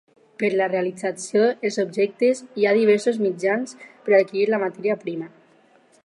Per la realització els objectes hi ha diversos mitjans per adquirir la matèria primera.